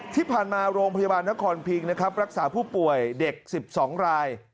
ที่ผ่านมาโรงพยาบาลนครพิงนะครับรักษาผู้ป่วยเด็ก๑๒ราย